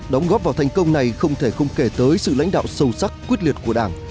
đóng góp vào thành công này không thể không kể tới sự lãnh đạo sâu sắc quyết liệt của đảng